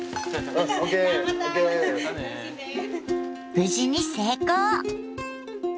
無事に成功！